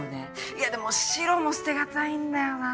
いやでも白も捨て難いんだよなぁ。